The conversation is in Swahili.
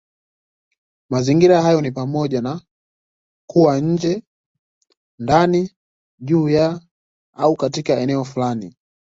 Mazingira hayo ni pamoja na kuwa nje, ndani, juu ya, au katika eneo fulani.